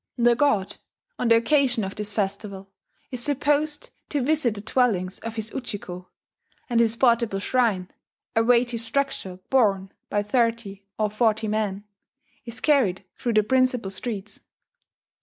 The god, on the occasion of this festival, is supposed to visit the dwellings of his Ujiko; and his portable shrine, a weighty structure borne by thirty or forty men, is carried through the principal streets.